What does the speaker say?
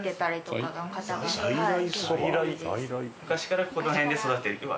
昔からこの辺で育ててる。